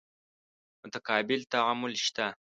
متقابل تعامل شته.